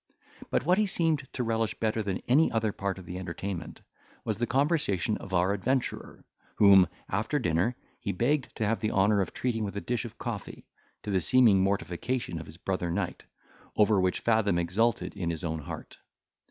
But what he seemed to relish better than any other part of the entertainment, was the conversation of our adventurer, whom, after dinner, he begged to have the honour of treating with a dish of coffee, to the seeming mortification of his brother knight, over which Fathom exulted in his own heart.